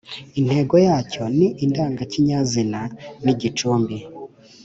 intego yacyo ni indangakinyazina ni gicumbi